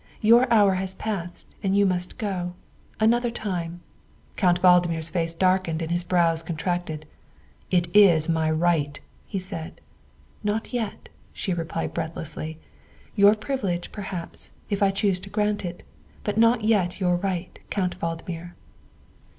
Your hour has passed and you must go. Another time Count Valdmir's face darkened and his brows con tracted. " It is my right," he said. " Not yet," she replied breathlessly, " your privilege, perhaps, if I chose to grant it, but not yet your right, Count Valdmir."